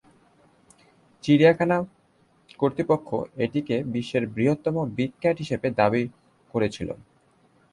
চিড়িয়াখানা কর্তৃপক্ষ এটিকে বিশ্বের বৃহত্তম বিগ ক্যাট হিসেবে দাবি করেছিল।